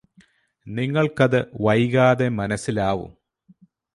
നിങ്ങൾക്കത് വൈകാതെ മനസ്സിലാവും